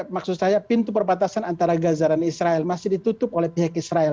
maksud saya pintu perbatasan antara gaza dan israel masih ditutup oleh pihak israel